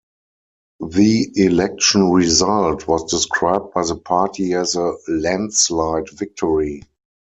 The election result was described by the party as a landslide victory.